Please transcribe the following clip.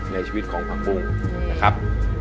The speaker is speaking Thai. ในชีวิตของผักปุ้งนะครับ